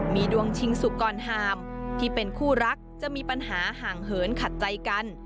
มีดวงชิงสุกรฮามที่เป็นคู่รักจะมีปัญหาห่างเหินขัดใจกัน